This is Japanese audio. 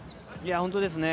本当ですね。